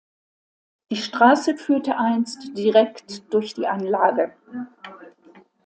Die Straße führte einst direkt durch die Anlage.